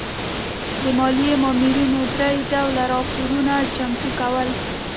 د مالیې مامورینو درې ډوله راپورونه چمتو کول.